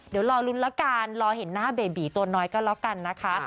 เดี๋ยวรอลุ้นละกันรอเห็นหน้าเบบีตัวน้อยก็แล้วกันนะคะ